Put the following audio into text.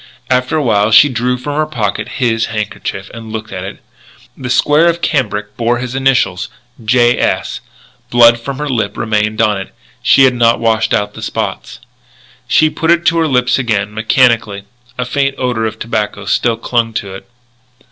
After a while she drew from her pocket his handkerchief, and looked at it. The square of cambric bore his initials, J. S. Blood from her lip remained on it. She had not washed out the spots. She put it to her lips again, mechanically. A faint odour of tobacco still clung to it.